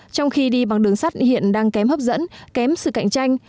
trong khi đi bằng đường sắt hiện đang kém hấp dẫn kém sự cạnh tranh